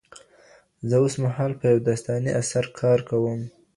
زه اوس مهال په یو داستاني اثر کار کوم.